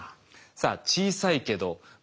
さあ小さいけどまあ